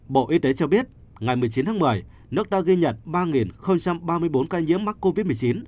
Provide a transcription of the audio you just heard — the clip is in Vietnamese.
bộ y tế cho biết ngày một mươi chín tháng một mươi nước đã ghi nhận ba ba mươi bốn ca nhiễm mắc covid một mươi chín